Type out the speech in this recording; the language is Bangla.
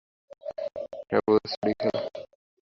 হ্যাঁ বুঝেছি, ওডি খালা।